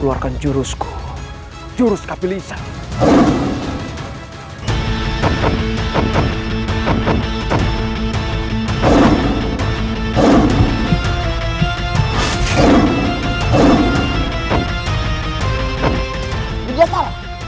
takkan kamu akan kena alpha